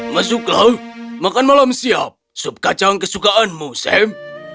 masuklah makan malam siap sup kacang kesukaanmu sam